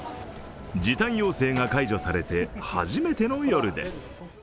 時短要請が解除されて初めての夜です。